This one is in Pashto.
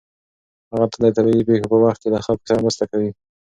هغه تل د طبیعي پېښو په وخت کې له خلکو سره مرسته کوي.